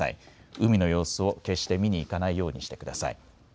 海の様子を決して見に行かないようにしてください。